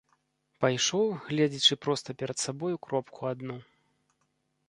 Пайшоў, гледзячы проста перад сабой у кропку адну.